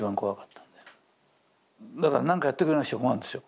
だから何かやってくれなくちゃ困んですよ。